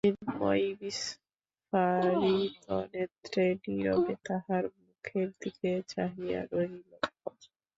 মৃন্ময়ী বিস্ফারিতনেত্রে নীরবে তাঁহার মুখের দিকে চাহিয়া রহিল।